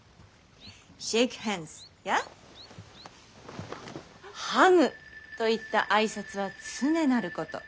シェイクハンズやハグといった挨拶は常なること。